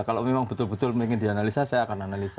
kalau memang betul betul ingin dianalisa saya akan analisa